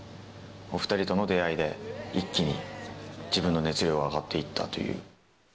お２人との出会いで、一気に自分の熱量が上がっていったという。